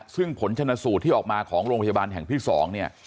ซึ่งผลชนสูตรที่ออกมาของโรงพยาบาลแห่งที่๒เนี่ย